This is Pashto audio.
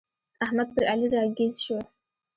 احمد پر علي را ږيز شو.